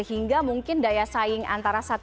iklan digunakan sendirian